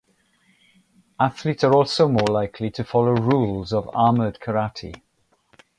Athletes are also more likely to follow rules of armored karate.